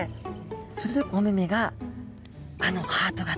それでお目目があのハート型。